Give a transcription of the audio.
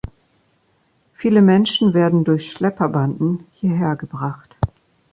Viele Menschen werden durch Schlepperbanden hierher gebracht.